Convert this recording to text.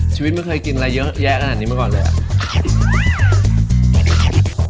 ชีวิตไม่เคยกินอะไรเยอะแยะขนาดนี้มาก่อนเลยอ่ะ